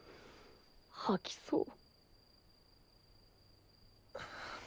吐きそう。